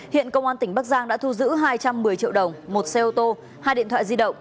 hiện công an tỉnh bắc giang đã thu giữ hai trăm một mươi triệu đồng một xe ô tô hai điện thoại di động